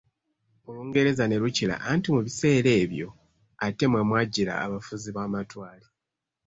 Olungereza ne lukira anti mu biseera ebyo ate mwemwajjira abafuzi b’amatwale.